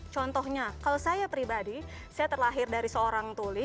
contohnya kalau saya pribadi saya terlahir dari seorang tuli